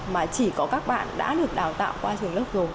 mà chỉ có các bạn đã được đào tạo qua trường lớp rồi